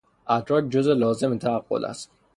ادراک جز لازم تعقل است.